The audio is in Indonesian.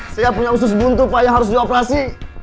saya punya usus buntu pak yang harus dioperasi